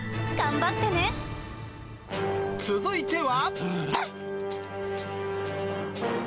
続いては。